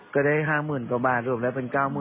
ก็ได้๕๐๐๐กว่าบาทรวมแล้วเป็น๙๐๐